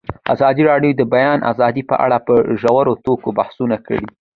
ازادي راډیو د د بیان آزادي په اړه په ژوره توګه بحثونه کړي.